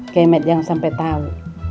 kayak med yang sampe tau